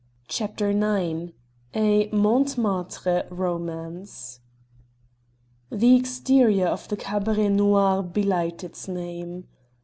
CHAPTER IX A MONTMARTRE ROMANCE The exterior of the Cabaret Noir belied its name.